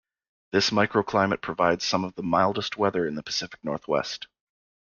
This micro-climate provides some of the mildest weather in the Pacific Northwest.